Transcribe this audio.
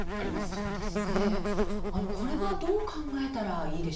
そうですね、これはどう考えたらいいでしょうか。